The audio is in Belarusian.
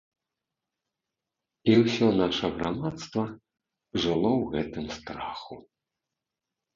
І ўсё наша грамадства жыло ў гэтым страху.